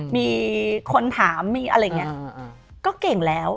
มีคนถามมีอะไรอย่างนี้ก็เก่งแล้ว